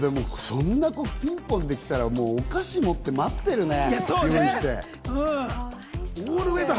そんなピンポンで来たら、お菓子持って待ってるね。